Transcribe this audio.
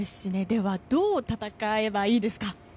では、どう戦えばいいですか。